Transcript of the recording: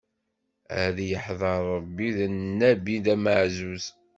Ad yeḥḍer Ṛebbi, d Nnabi amaɛzuz.